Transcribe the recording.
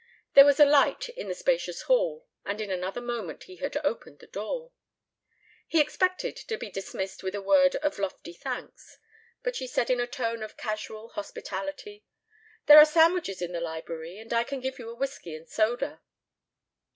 There was a light in the spacious hall and in another moment he had opened the door. He expected to be dismissed with a word of lofty thanks, but she said in a tone of casual hospitality: "There are sandwiches in the library and I can give you a whiskey and soda."